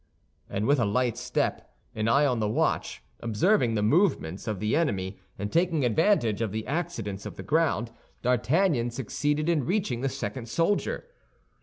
And with a light step, an eye on the watch, observing the movements of the enemy and taking advantage of the accidents of the ground, D'Artagnan succeeded in reaching the second soldier.